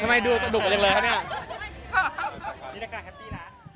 ทำไมดูสนุกกว่าอย่างนั้นเนี่ย